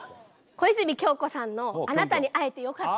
小泉今日子さんの「あなたに会えてよかった」